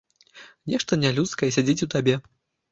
Нешта нялюдскае сядзіць у табе.